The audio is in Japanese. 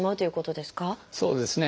そうですね。